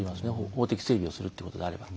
法的整備をするということであれば。